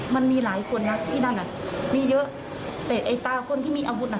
มันมีหลายคนนะที่นั่นอ่ะมีเยอะแต่ไอ้ตาคนที่มีอาวุธน่ะ